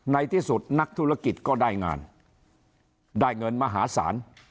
ในที่สุดนักธุรกิจก็ได้งานได้เงินมหาศาล